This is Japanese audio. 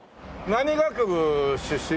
何学部出身？